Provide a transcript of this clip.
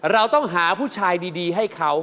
เราต้องหาผู้ชายดีให้เขา